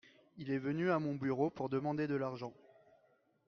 Il est venu à mon bureau pour demander de l'argent.